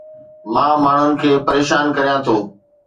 مان ماڻهن کي پريشان ڪريان ٿو